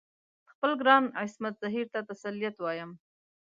خپل ګران عصمت زهیر ته تسلیت وایم.